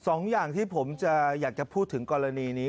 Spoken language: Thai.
สองอย่างที่ผมจะอยากจะพูดถึงกรณีนี้